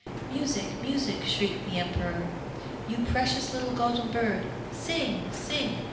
'Music, music!' shrieked the emperor. 'You precious little golden bird, sing, sing!